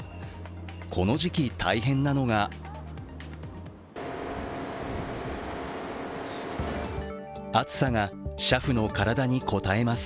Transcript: この時期、大変なのが暑さが車夫の体にこたえます。